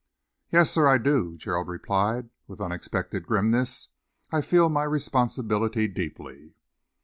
"Yes, sir, I do!" Gerald replied, with unexpected grimness. "I feel my responsibility deeply."